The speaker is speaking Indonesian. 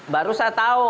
baru saya tahu